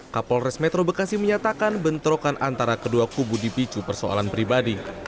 kapolres metro bekasi menyatakan bentrokan antara kedua kubu dipicu persoalan pribadi